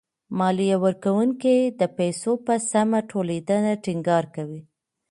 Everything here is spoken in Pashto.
ماليه ورکوونکي د پيسو په سمه ټولېدنه ټېنګار کوي.